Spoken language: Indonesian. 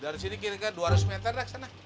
dari sini kira dua ratus meter